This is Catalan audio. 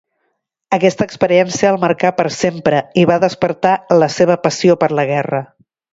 Aquesta experiència el marcà per sempre i va despertar la seva passió per la guerra.